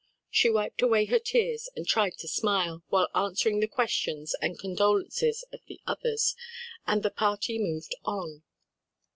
She wiped away her tears and tried to smile, while answering the questions and condolences of the others, and the party moved on.